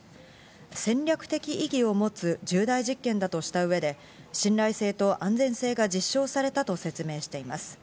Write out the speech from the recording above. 戦略的意義を持つ重大実験だとした上で信頼性と安全性が実証されたと説明しています。